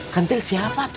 kantil siapa tuh